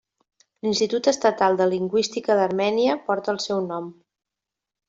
L'Institut Estatal de Lingüística d'Armènia porta el seu nom.